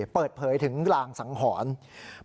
เปิดเผยถึงรางสังหรณ์